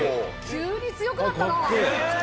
「急に強くなったな！」